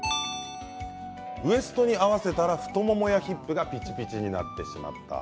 ウエストに合わせたら太ももやヒップがピチピチなってしまった。